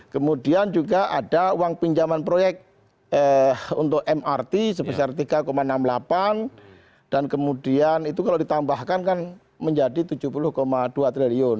kemudian juga ada uang pinjaman proyek untuk mrt sebesar rp tiga enam puluh delapan dan kemudian itu kalau ditambahkan kan menjadi rp tujuh puluh dua triliun